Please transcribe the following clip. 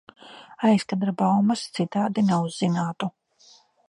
Aizkadra baumas citādi neuzzinātu.